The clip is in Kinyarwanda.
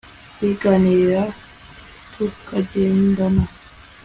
twiganirira tukagendana